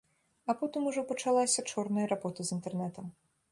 А потым ужо пачалася чорная работа з інтэрнэтам.